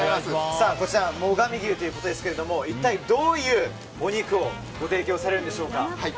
こちら、最上牛ということですが一体どういうお肉をご提供されるんでしょうか。